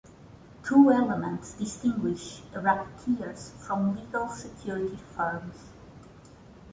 Two elements distinguish racketeers from legal security firms.